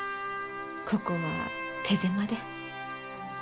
ここは手狭で。